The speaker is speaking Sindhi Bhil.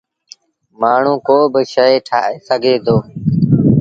مآڻهوٚݩ ڪوبا شئي ٺآهي سگھي دو۔